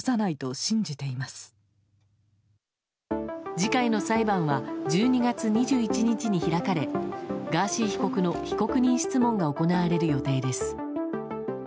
次回の裁判は１２月２１日に開かれガーシー被告の被告人質問が行われる予定です。